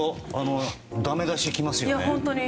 ダメ出し来ますよね。